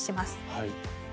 はい。